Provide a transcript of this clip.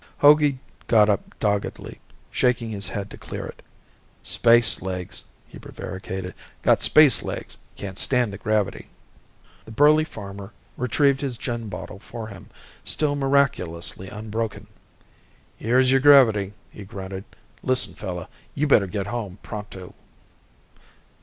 Hogey got up doggedly, shaking his head to clear it. "Space legs," he prevaricated. "Got space legs. Can't stand the gravity." The burly farmer retrieved his gin bottle for him, still miraculously unbroken. "Here's your gravity," he grunted. "Listen, fella, you better get home pronto."